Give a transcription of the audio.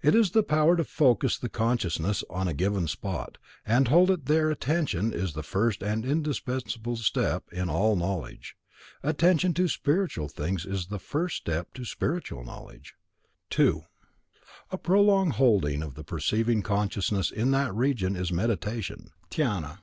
It is the power to focus the consciousness on a given spot, and hold it there Attention is the first and indispensable step in all knowledge. Attention to spiritual things is the first step to spiritual knowledge. 2. A prolonged holding of the perceiving consciousness in that region is meditation (dhyana).